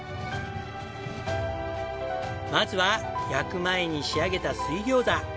まずは焼く前に仕上げた水餃子。